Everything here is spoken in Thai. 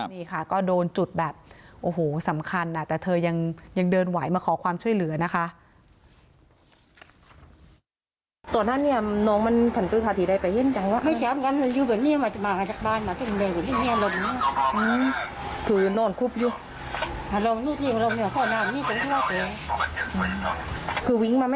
นี่ค่ะก็โดนจุดแบบโอ้โหสำคัญแต่เธอยังเดินไหวมาขอความช่วยเหลือนะคะ